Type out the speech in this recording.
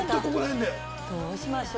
どうしましょう？